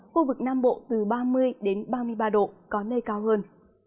khu vực nam bộ từ ba mươi ba mươi ba độ có nơi cao hơn